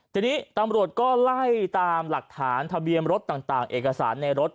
ทีนี้ตำรวจก็ไล่ตามหลักฐานทะเบียนรถต่างเอกสารในรถ